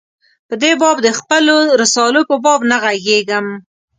په دې باب د خپلو رسالو په باب نه ږغېږم.